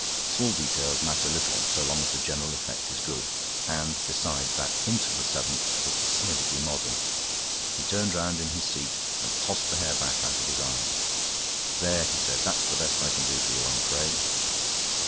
Small details matter little so long as the general effect is good. And, besides, that hint of the seventh was decidedly modern. He turned round in his seat and tossed the hair back out of his eyes. "There," he said. "That's the best I can do for you, I'm afraid."